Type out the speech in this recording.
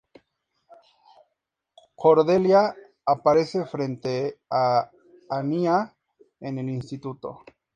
Cordelia aparece frente a Anya en el instituto.